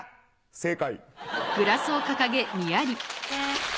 正解！